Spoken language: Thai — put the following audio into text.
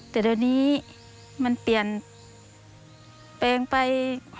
แต่ตอนนี้เปลี่ยนแปลงไป